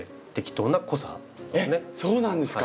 えっそうなんですか。